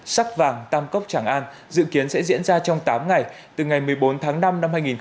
sắc vàng tam cốc tràng an dự kiến sẽ diễn ra trong tám ngày từ ngày một mươi bốn tháng năm năm hai nghìn hai mươi bốn